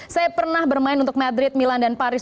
saya pernah bermain untuk madrid milan dan paris